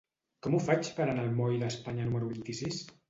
Com ho faig per anar al moll d'Espanya número vint-i-sis?